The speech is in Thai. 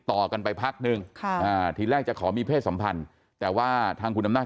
ต่อกันไปพักนึงทีแรกจะขอมีเพศสัมพันธ์แต่ว่าทางคุณอำนาจ